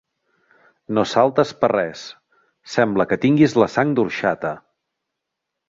No saltes per res, sembla que tinguis la sang d'orxata.